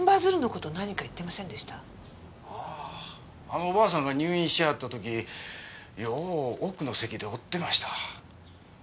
あのおばあさんが入院しはった時よう奥の席で折ってました。